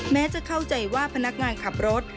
แม้จะเข้าใจว่าพนักงานขับรถ